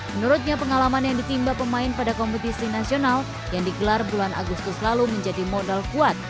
menurutnya pengalaman yang ditimba pemain pada kompetisi nasional yang digelar bulan agustus lalu menjadi modal kuat